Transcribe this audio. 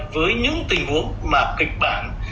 với những tình huống mà kịch bản